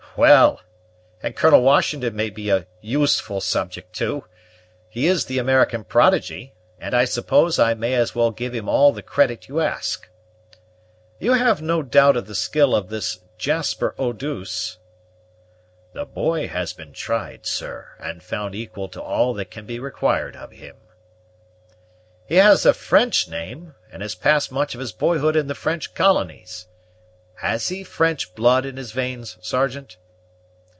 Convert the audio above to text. "Well! and Colonel Washington may be a useful subject too. He is the American prodigy; and I suppose I may as well give him all the credit you ask. You have no doubt of the skill of this Jasper Eau douce?" "The boy has been tried, sir, and found equal to all that can be required of him." "He has a French name, and has passed much of his boyhood in the French colonies; has he French blood in his veins, Sergeant?"